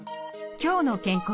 「きょうの健康」。